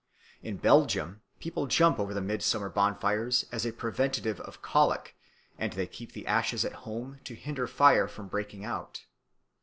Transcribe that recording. In Belgium people jump over the midsummer bonfires as a preventive of colic, and they keep the ashes at home to hinder fire from breaking out.